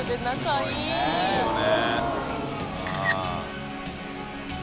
いいよね。